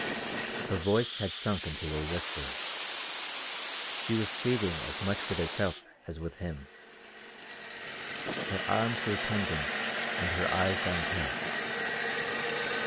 Her voice had sunk into a whisper: she was pleading as much with herself as with him. Her arms were pendant and her eyes downcast.